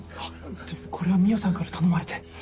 でもこれは海音さんから頼まれて。